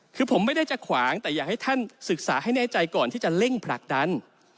คือผมไม่ได้จะขวางแต่อยากให้ท่านศึกษาให้แน่ใจก่อนที่จะเร่งผลักดัน